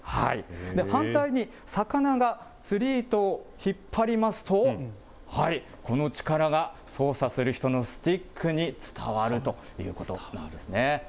反対に魚が釣り糸を引っ張りますと、この力が操作する人のスティックに伝わるということなんですね。